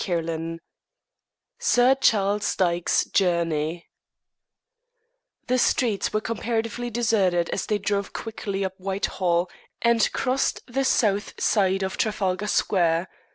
CHAPTER XXVIII SIR CHARLES DYKE'S JOURNEY The streets were comparatively deserted as they drove quickly up Whitehall and crossed the south side of Trafalgar Square.